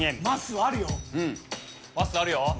まっすーあるよ。